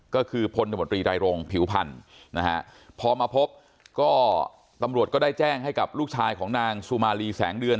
ก็คือพลตมตรีรายรงผิวพันธุ์นะฮะพอมาพบก็ตำรวจก็ได้แจ้งให้กับลูกชายของนางสุมารีแสงเดือน